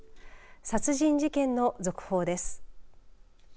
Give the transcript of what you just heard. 殺人事件の速報です。